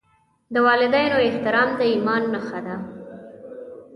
د والدینو احترام د ایمان نښه ده.